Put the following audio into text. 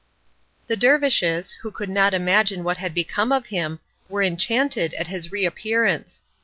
The dervishes, who could not imagine what had become of him, were enchanted at his reappearance.